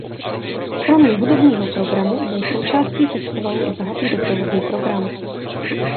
Kromě hudebního programu byl součástí festivalu i bohatý doprovodný program.